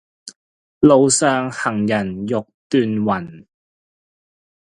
路上行人欲斷魂